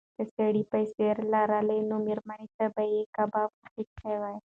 که سړي پیسې لرلای نو مېرمنې ته به یې کباب اخیستی و.